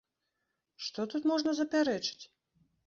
Што тут можна запярэчыць?